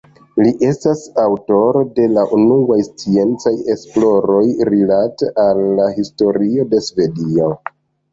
Li estas aŭtoro de la unuaj sciencaj esploroj rilate al la historio de Svedio.